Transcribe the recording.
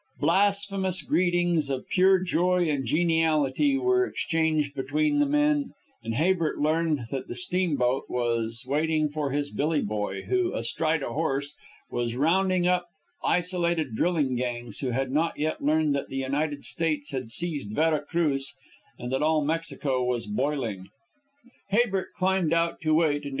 Blasphemous greetings of pure joy and geniality were exchanged between the men, and Habert learned that the steamboat was waiting for his Billy Boy, who, astride a horse, was rounding up isolated drilling gangs who had not yet learned that the United States had seized Vera Cruz and that all Mexico was boiling.